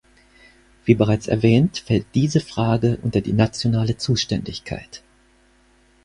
Wie bereits erwähnt, fällt diese Frage unter die nationale Zuständigkeit.